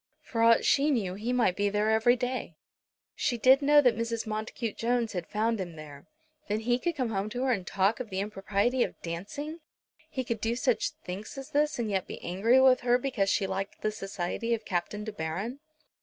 For aught she knew, he might be there every day! She did know that Mrs. Montacute Jones had found him there. Then he could come home to her and talk of the impropriety of dancing! He could do such thinks as this, and yet be angry with her because she liked the society of Captain De Baron!